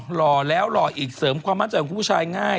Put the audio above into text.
หล่อแล้วหล่ออีกเสริมความมั่นใจของผู้ชายง่าย